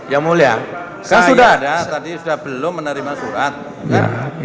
yang mulia saya tadi sudah belum menerima surat